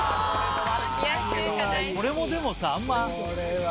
これもでもさあんま。